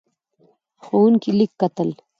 ښوونکی لیک کتل.